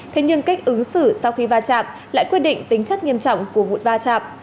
thế nhưng cách ứng xử sau khi va chạm lại quyết định tính chất nghiêm trọng của vụ va chạm